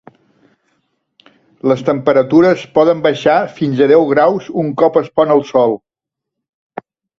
Les temperatures poden baixar fins a deu graus un cop es pon el sol.